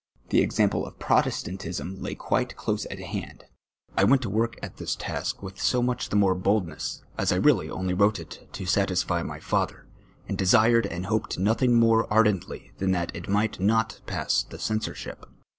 The example of Protestant ism lay quite close at hand. I went to work at this task with so much the more boldness, as I really only wrote it to satisfy my father, and desired and hoped nothing more ardently than that it might not pass the censorship.